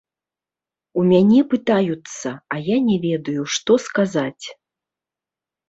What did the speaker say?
У мяне пытаюцца, а я не ведаю што сказаць.